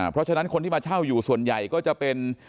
เพราะฉะนั้นคนที่มาเช่าอยู่ส่วนใหญ่ก็จะเป็น